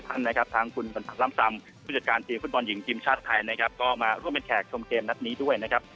ผู้จัดการเชียงคุดบอลหญิงกิมชาติไทยนะครับก็มาร่วมเป็นแขกชมเกมนัดนี้ด้วยนะครับ